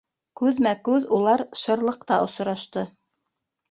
Күҙмә-күҙ улар шырлыҡта осрашты.